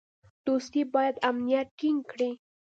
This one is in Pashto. دوستي باید امنیت ټینګ کړي.